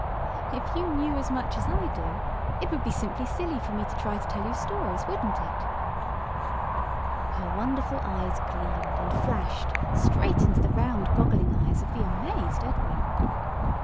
If you knew as much as I do, it would be simply silly for me to try to tell you stories, wouldn't it? Her wonderful eyes gleamed and flashed straight into the round goggling eyes of the amazed Edwin.